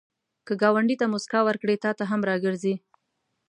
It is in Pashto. که ګاونډي ته مسکا ورکړې، تا ته هم راګرځي